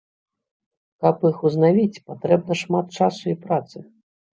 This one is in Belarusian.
Каб іх узнавіць, патрэбна шмат часу і працы.